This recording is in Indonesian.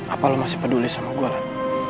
apa lu masih peduli sama gue lan